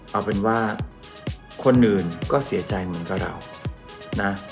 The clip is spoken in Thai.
เอาเป็นว่าคนอื่นก็เสียใจเหมือนกับเรานะ